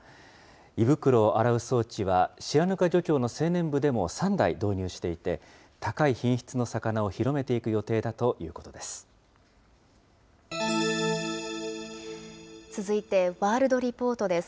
胃袋を洗う装置は、白糠漁協の青年部でも３台導入していて、高い品質の魚を広めていく予定だということです。